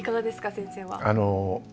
先生は。